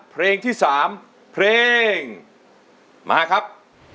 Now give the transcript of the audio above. เพลงที่๓เพลงมาครับ